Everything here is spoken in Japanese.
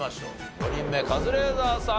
５人目カズレーザーさん